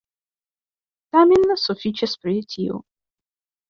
Tamen, sufiĉas pri tio.